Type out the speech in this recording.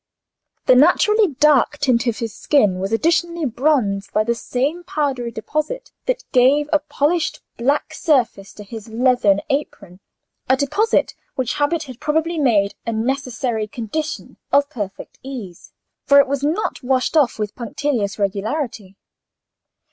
The naturally dark tint of his skin was additionally bronzed by the same powdery deposit that gave a polished black surface to his leathern apron: a deposit which habit had probably made a necessary condition of perfect ease, for it was not washed off with punctilious regularity.